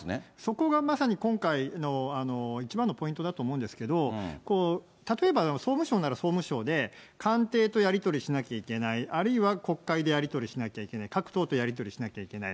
そこがまさに今回の一番のポイントだと思うんですけど、例えば総務省なら総務省で、官邸とやり取りしなきゃいけない、あるいは国会でやり取りしなきゃいけない、各党とやり取りしなきゃいけない。